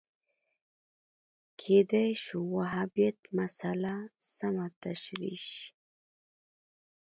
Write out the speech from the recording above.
کېدای شو وهابیت مسأله سمه تشریح شي